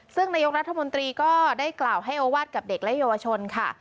ซึ่งนายกรัฐมนตรีก็ได้กล่าวให้โอวาสกับเด็กและเยาวชนค่ะ